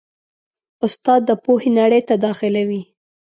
استاد د پوهې نړۍ ته داخلوي.